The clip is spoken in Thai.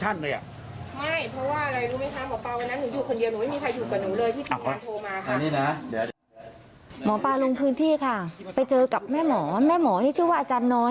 ถ้าเกิดอาจารย์น้อยเขามีคนไปแจ้งพ่อพี่ตลอดตัว